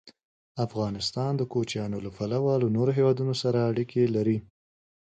افغانستان د کوچیانو له پلوه له نورو هېوادونو سره اړیکې لري.